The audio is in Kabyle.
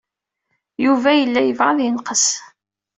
Yuba yella yebɣa ad yenqes.